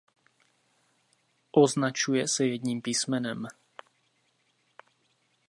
Označuje se jedním písmenem.